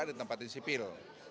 ada tempatin sipil